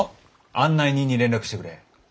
案内人に連絡してくれ。